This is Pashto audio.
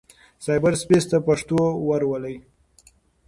سايبر سپېس ته پښتو ورولئ.